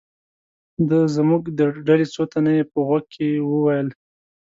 د زموږ د ډلې څو تنه یې په غوږ کې و ویل.